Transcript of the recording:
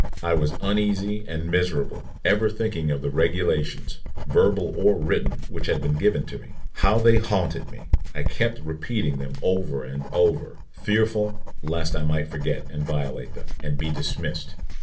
I was uneasy and miserable, ever thinking of the regulations, verbal or written, which had been given me. How they haunted me! I kept repeating them over and over, fearful lest I might forget and violate them, and be dismissed.